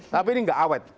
tapi ini gak awet